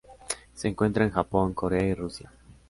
Se encuentra en Japón Corea y Rusia.